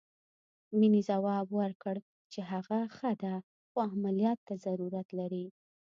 مينې ځواب ورکړ چې هغه ښه ده خو عمليات ته ضرورت لري.